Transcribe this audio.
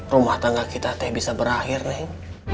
rumah tangga kita teh bisa berakhir neng